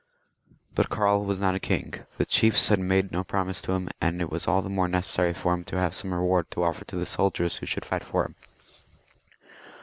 But Karl was not a king, the chiefs had made no promise to him, and it was all the more necessary for him to have some reward to offer to the soldiers who should fight for him.